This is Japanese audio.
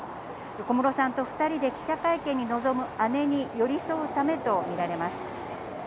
小室さんと２人で記者会見に臨む姉に寄り添うためとみられます。